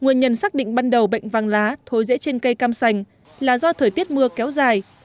nguyên nhân xác định ban đầu bệnh vàng lá thối rễ trên cây cam sành là do thời tiết mưa kéo dài